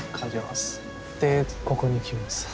で、ここに来ます。